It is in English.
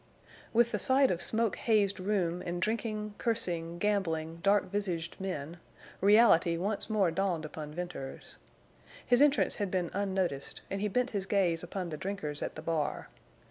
With the sight of smoke hazed room and drinking, cursing, gambling, dark visaged men, reality once more dawned upon Venters. His entrance had been unnoticed, and he bent his gaze upon the drinkers at the bar.